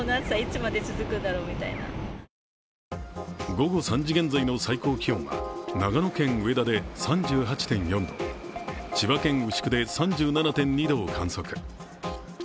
午後３時現在の最高気温は長野県上田で３５．４度、千葉県牛久で３７．２度を観測。